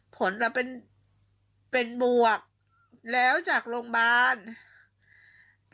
ผลอ่ะเป็นเป็นบวกแล้วจากโรงพยาบาล